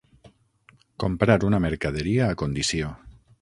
Comprar una mercaderia a condició.